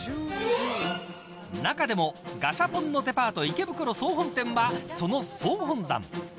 中でもガシャポンのデパート池袋総本店はその総本山。